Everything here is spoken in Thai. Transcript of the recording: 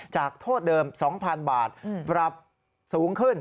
โทษเดิม๒๐๐๐บาทปรับสูงขึ้น